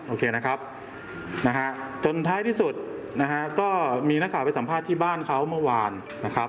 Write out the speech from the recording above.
โอเคนะครับนะฮะจนท้ายที่สุดนะฮะก็มีนักข่าวไปสัมภาษณ์ที่บ้านเขาเมื่อวานนะครับ